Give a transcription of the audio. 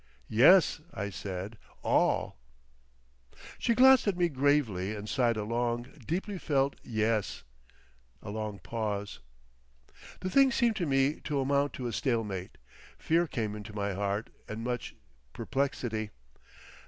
"Yes," I said, "all." She glanced at me gravely and sighed a long, deeply felt "Yes." A long pause. The thing seemed to me to amount to a stale mate. Fear came into my heart and much perplexity.